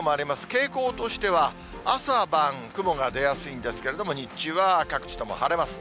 傾向としては、朝晩雲が出やすいんですけれども、日中は各地とも晴れます。